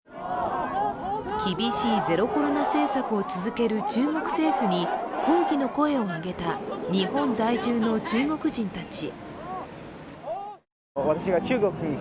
厳しいゼロコロナ政策を続ける中国政府に抗議の声を上げた日本在住の中国人たち。